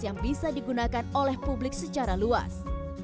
yang bisa digunakan oleh publik secara luas